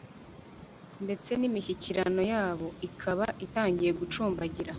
ndetse n'imishyikirano yabo ikaba itangiye gucumbagira